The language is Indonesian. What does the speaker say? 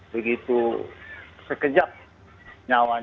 begitu sekejap nyawanya hilang